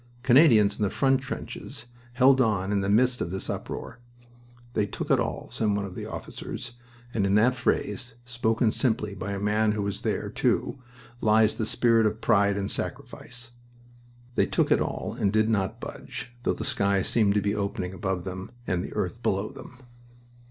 Canadians in the front trenches held on in the midst of this uproar. "They took it all," said one of the officers, and in that phrase, spoken simply by a man who was there, too, lies the spirit of pride and sacrifice. "They took it all" and did not budge, though the sky seemed to be opening above them and the earth below them.